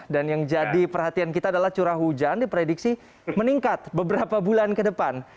dan yang jadi perhatian kita adalah curah hujan diprediksi meningkat beberapa bulan ke depan